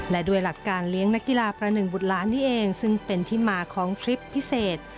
และด้วยหลักการเลี้ยงนักกีฬาประหนึ่งบุตรล้านนี่เองซึ่งเป็นที่มาของทริปพิเศษ